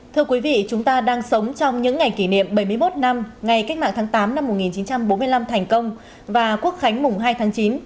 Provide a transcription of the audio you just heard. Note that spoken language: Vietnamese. thưa quý vị chúng ta đang sống trong những ngày kỷ niệm bảy mươi một năm ngày cách mạng tháng tám năm một nghìn chín trăm bốn mươi năm thành công và quốc khánh mùng hai tháng chín